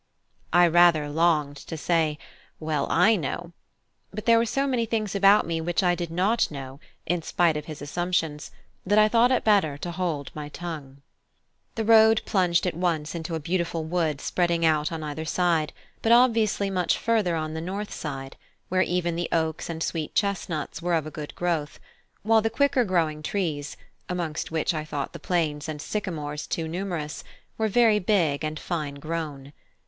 I rather longed to say, "Well, I know"; but there were so many things about me which I did not know, in spite of his assumptions, that I thought it better to hold my tongue. The road plunged at once into a beautiful wood spreading out on either side, but obviously much further on the north side, where even the oaks and sweet chestnuts were of a good growth; while the quicker growing trees (amongst which I thought the planes and sycamores too numerous) were very big and fine grown.